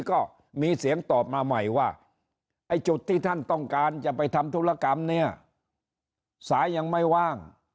ก็มีเสียงตอบมาใหม่ว่าไอ้จุดที่ท่านต้องการจะไปทำธุรกรรมเนี่ยสายยังไม่ว่าง